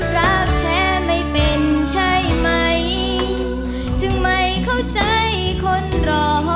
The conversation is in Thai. รักแท้ไม่เป็นใช่ไหมจึงไม่เข้าใจคนรอ